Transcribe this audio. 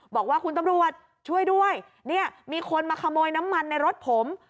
บอกว่าคุณตำรวจช่วยด้วยเนี่ยมีคนมาขโมยน้ำมันในรถผม